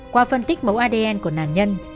qua phân tích mẫu adn của nạn nhân